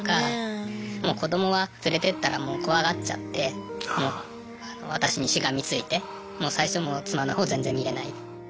もう子どもは連れてったらもう怖がっちゃって私にしがみついて最初妻のほう全然見れない。